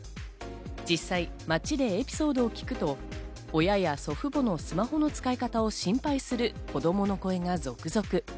実際街でエピソードを聞くと親や祖父母のスマホの使い方を心配する子供の声が続々。